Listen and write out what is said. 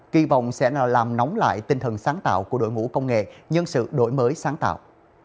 kỳ vọng sẽ nào làm nóng lại tinh thần sáng tạo của đội ngũ công nghệ nhân sự đổi mới sáng tạo